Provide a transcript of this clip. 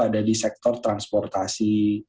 di sektor transportasi